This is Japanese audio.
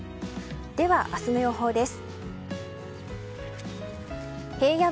では、明日の予報です。